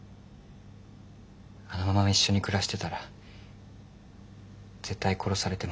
あのまま一緒に暮らしてたら絶対殺されてましたよ。